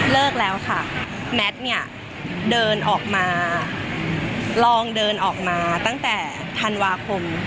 เลิกแล้วค่ะแมทเนี่ยเดินออกมาลองเดินออกมาตั้งแต่ธันวาคม